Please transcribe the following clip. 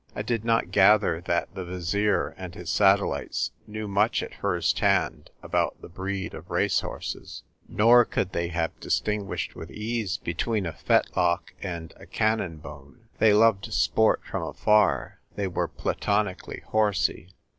I did not gather that the Vizier and his satellites knew much at first hand about I 32 THE TYl'K WKITEK GIKL. the breed of race horses, nor could they have distinguished with ease between a fet lock and a cannon bone. They loved sport from afar : they were platonically horsey.